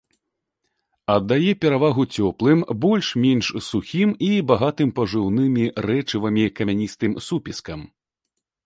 Аддае перавагу цёплым, больш-менш сухім і багатым пажыўнымі рэчывамі камяністым супескам.